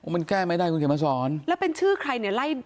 มันแก้ไม่ได้คุณเขียนมาสอนแล้วเป็นชื่อใครเนี่ยไล่